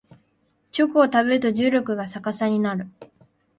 チョコを食べると重力が逆さになる